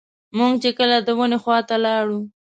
موږ چې کله د ونې خواته لاړو.